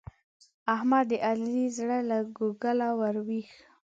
احمد د علي زړه له کوګله ور وکېښ.